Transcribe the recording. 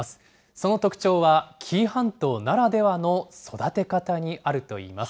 その特徴は、紀伊半島ならではの育て方にあるといいます。